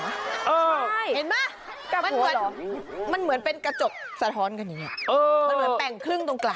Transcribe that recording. ใส่ฮ้อนกันอย่างนี้มันเหมือนแปลงครึ่งตรงกลาง